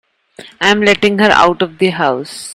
I'm letting her out of the house.